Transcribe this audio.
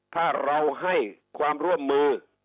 ถ้าเราให้ความร่วมมือ